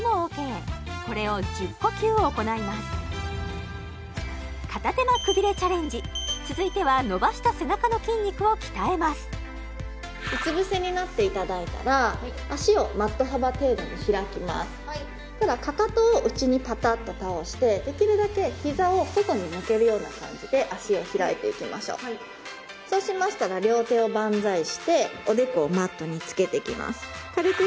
うつぶせになっていただいたら足をマット幅程度に開きますかかとを内にパタッと倒してできるだけ膝を外に向けるような感じで足を開いていきましょうそうしましたら両手をバンザイしておでこをマットにつけていきます